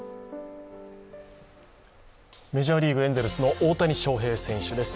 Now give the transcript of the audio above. メジャーリーグ・エンゼルスの大谷翔平選手です。